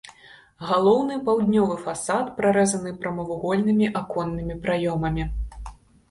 Галоўны паўднёвы фасад прарэзаны прамавугольнымі аконнымі праёмамі.